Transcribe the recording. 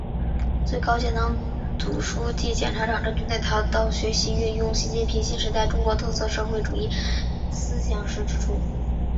最高检党组书记、检察长张军在谈到学习运用习近平新时代中国特色社会主义思想时指出